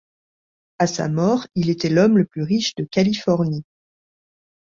À sa mort, il était l'homme le plus riche de Californie.